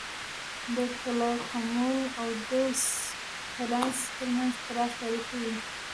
د کلاکمول او دوس پیلاس ترمنځ پراخې اړیکې وې